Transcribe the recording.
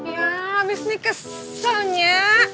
ya abis ini keselnya